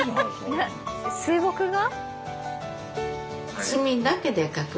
水墨画？